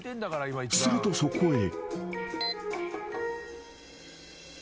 するとそこへ］